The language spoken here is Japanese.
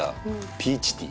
ピーチティー